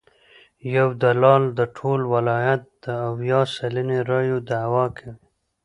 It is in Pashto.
یو دلال د ټول ولایت د اویا سلنې رایو دعوی کوي.